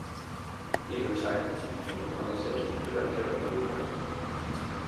In retirement he became a Non-Executive Director of Whitbread.